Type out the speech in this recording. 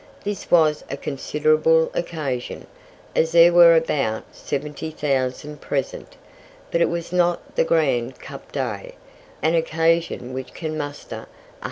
This was a considerable occasion, as there were about 70,000 present; but it was not the grand "Cup Day," an occasion which can muster 150,000.